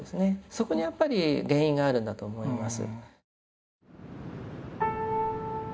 そこにやっぱり原因があるんだと思います。